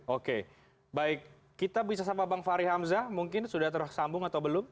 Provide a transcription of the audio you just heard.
oke baik kita bisa sama bang fahri hamzah mungkin sudah tersambung atau belum